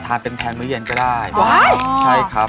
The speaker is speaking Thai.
อยากกินฟูเกียร์